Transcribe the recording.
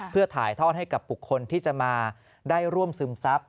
เพื่อถ่ายทอดให้กับบุคคลที่จะมาได้ร่วมซึมซับ